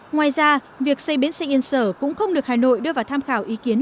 ngoài ra việc xây bến xe yên sở cũng không được hà nội đưa vào tham khảo ý kiến